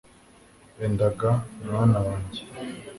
enda ga mwana wanjye